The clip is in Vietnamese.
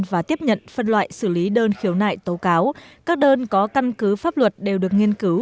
và tiếp nhận phân loại xử lý đơn khiếu nại tố cáo các đơn có căn cứ pháp luật đều được nghiên cứu